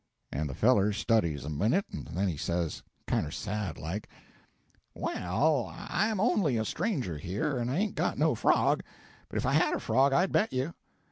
And the feller studies a minute, and then says, kinder sad like, 'Well, I'm only a stranger here, and I ain't got no frog, but if I had a frog I'd bet you.'